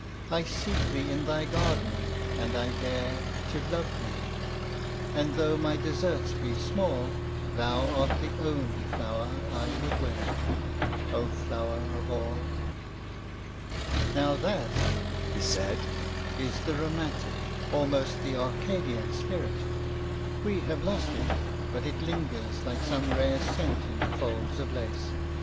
I seek thee in thy garden, and I dare To love thee; and though my deserts be small, Thou art the only flower I would wear, O flower of all!" "Now that," he said, "is the romantic, almost the Arcadian spirit. We have lost it, but it lingers like some rare scent in the folds of lace.